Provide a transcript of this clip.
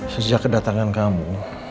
sejak kedatangan kamu